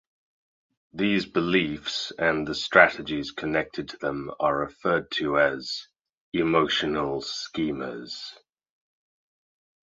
These beliefs and the strategies connected to them are referred to as "emotional schemas".